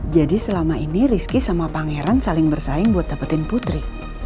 jadi selama ini rizky sama pangeran saling bersaing buat dapetin putri